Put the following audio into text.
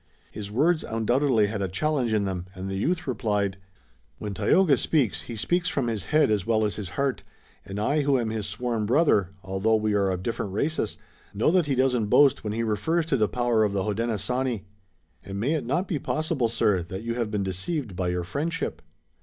His words undoubtedly had a challenge in them, and the youth replied: "When Tayoga speaks he speaks from his head as well as his heart, and I who am his sworn brother, although we are of different races, know that he doesn't boast when he refers to the power of the Hodenosaunee." "And may it not be possible, sir, that you have been deceived by your friendship?"